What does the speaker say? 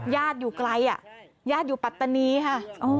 อยู่ไกลญาติอยู่ปัตตานีค่ะ